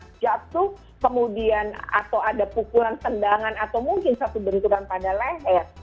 ada situasi di mana anak jatuh kemudian atau ada pukulan tendangan atau mungkin satu benturan pada leher